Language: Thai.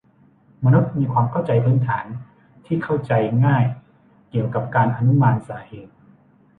มนุษย์มีความเข้าใจพื้นฐานที่เข้าใจง่ายเกี่ยวกับการอนุมานสาเหตุ